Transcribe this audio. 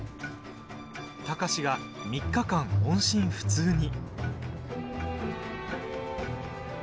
貴司が、３日間、音信不通に。